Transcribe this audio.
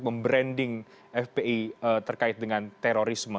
membranding fpi terkait dengan terorisme